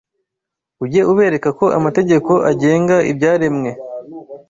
ujye ubereka ko amategeko agenga ibyaremwe